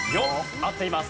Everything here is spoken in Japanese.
合っています。